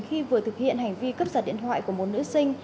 khi vừa thực hiện hành vi cấp giật điện thoại của một nữ sinh